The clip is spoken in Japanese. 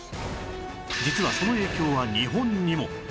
実はその影響は日本にも